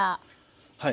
はい。